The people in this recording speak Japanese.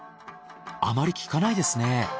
あまり聞かないですね。